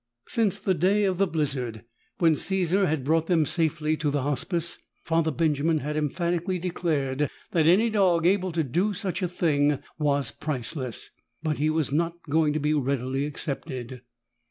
Since the day of the blizzard, when Caesar had brought them safely to the Hospice, Father Benjamin had emphatically declared that any dog able to do such a thing was priceless. But he was not going to be readily accepted.